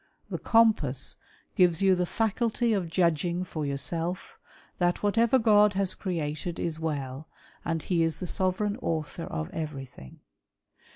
The Compass gives you the fliculty of "judging for yourself, that whatever God has created is well, " and he is the sovereign author of everything.